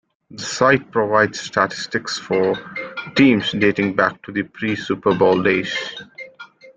The site provides statistics for teams dating back to the pre-Super Bowl days.